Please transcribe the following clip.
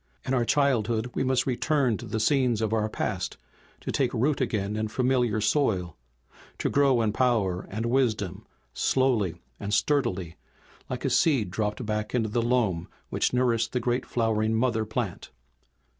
In our childhood we must return to the scenes of our past, to take root again in familiar soil, to grow in power and wisdom slowly and sturdily, like a seed dropped back into the loam which nourished the great flowering mother plant.